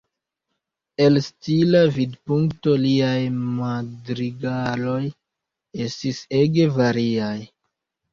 El stila vidpunkto liaj madrigaloj estis ege variaj.